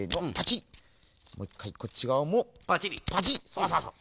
そうそうそう。